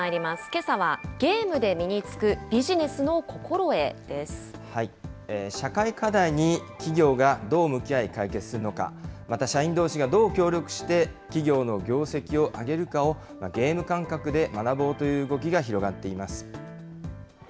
けさはゲームで身につくビジネス社会課題に企業がどう向き合い解決するのか、また社員どうしがどう協力して企業の業績を上げるかを、ゲーム感覚で学ぼうという動きが広がっています。